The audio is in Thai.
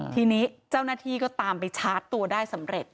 ทีนี้เจ้าหน้าที่ก็ตามไปชาร์จตัวได้สำเร็จ